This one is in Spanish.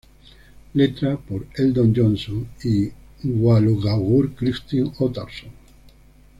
Letra: Þór Eldon Jónsson y Guðlaugur Kristinn Óttarsson.